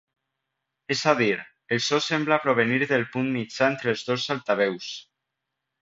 És a dir, el so sembla provenir del punt mitjà entre els dos altaveus.